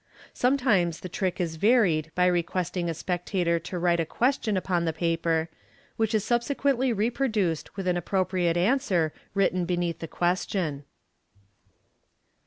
Sometimes the trick is varied by requesting a spectator to write a question upon the paper, which is subsequently reproduced with an appropriate answer written beneath the question.